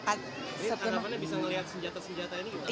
ini tanamannya bisa melihat senjata senjata ini gimana